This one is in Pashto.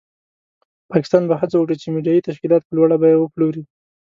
پاکستان به هڅه وکړي چې میډیایي تشکیلات په لوړه بیه وپلوري.